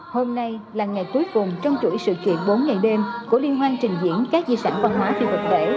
hôm nay là ngày cuối cùng trong chuỗi sự kiện bốn ngày đêm của liên hoan trình diễn các di sản văn hóa phi vật thể